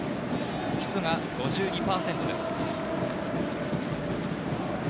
湿度が５２％です。